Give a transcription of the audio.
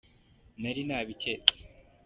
nari nabicyetse.